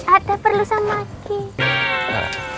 ada perlu sama kiki